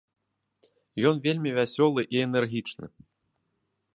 Ён вельмі вясёлы і энергічны.